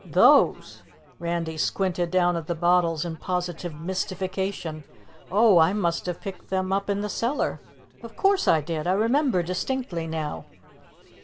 "Those?" Randy squinted down at the bottles in positive mystification. "Oh, I must have picked them up in the cellar of course I did, I remember distinctly now."